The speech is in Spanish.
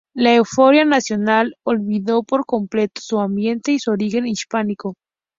La euforia nacional olvidó por completo su ambiente y su origen hispánico.